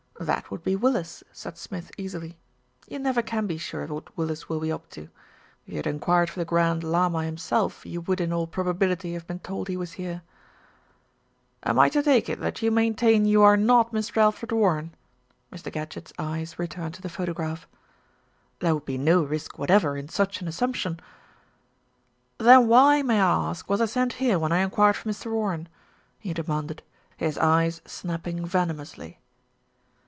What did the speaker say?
"That would be Willis," said Smith easily. "You never can be sure what Willis will be up to. If you had enquired for the Grand Llama himself, you would, / in all probability, have been told he was here." "Am I to take it that you maintain you are not Mr. Alfred Warren?" Mr. Gadgett's eyes returned to the photograph. "There would be no risk whatever in such an as sumption." "Then why, may I ask, was I sent here when I enquired for Mr. Warren?" he demanded, his eyes snapping venomously.